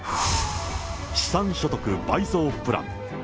資産所得倍増プラン。